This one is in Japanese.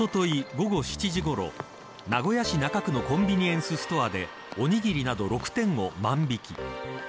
午後７時ごろ名古屋市中区のコンビニエンスストアでおにぎりなど６点を万引き。